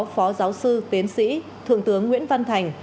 phó giáo sư tiến sĩ thượng tướng nguyễn văn thành